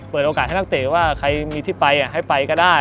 เปิดโอกาสให้นักเตะว่าใครมีที่ไปให้ไปก็ได้